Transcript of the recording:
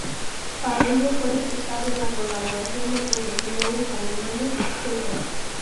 Para ello fue necesaria la colaboración de profesionales alemanes y checos.